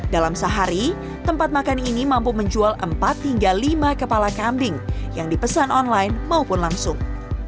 dalam sehari tempat makan ini mampu menjual empat hingga lima kepala kambing yang dipesan online maupun langsung